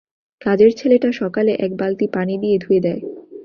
কাজের ছেলেটা সকালে এক বালতি পানি দিয়ে ধুয়ে দেয়।